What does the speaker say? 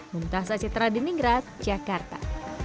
muntah sacitra di ninggrat jakarta